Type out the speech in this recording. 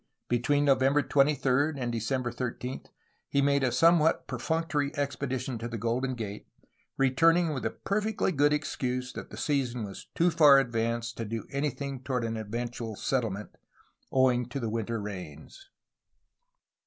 Between November 23 and December 13 he made a somewhat per functory expedition to the Golden Gate, returning with the perfectly good excuse that the season was too far advanced to do anything toward an eventual settlement, owing to the winter rains.